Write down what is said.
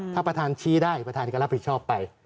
ถ้าประธานชี้ได้ประธานก็รับผิดชอบไป